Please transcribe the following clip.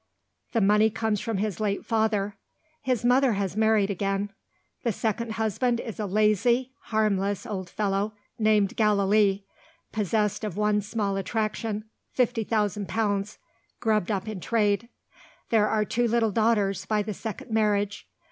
The money comes from his late father. His mother has married again. The second husband is a lazy, harmless old fellow, named Gallilee; possessed of one small attraction fifty thousand pounds, grubbed up in trade. There are two little daughters, by the second marriage.